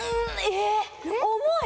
重い。